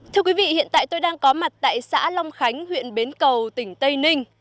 thưa quý vị hiện tại tôi đang có mặt tại xã long khánh huyện bến cầu tỉnh tây ninh